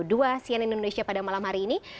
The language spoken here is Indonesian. dua cnn indonesia pada malam hari ini